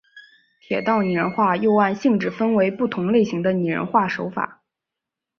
铁道拟人化又按性质分为不同类型的拟人化手法。